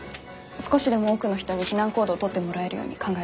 少しでも多くの人に避難行動を取ってもらえるように考えます。